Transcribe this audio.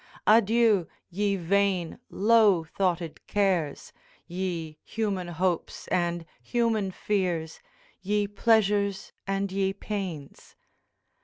'Adieu, ye vain low thoughted cares, Ye human hopes, and human fears, Ye pleasures and ye pains!'